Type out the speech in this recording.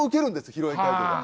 披露宴会場では。